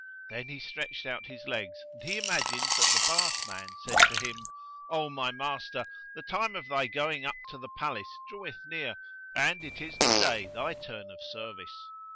"[FN#108] Then he stretched out his legs and he imagined that the bathman said to him, "O my master, the time of thy going up to the Palace draweth near and it is to day thy turn of service."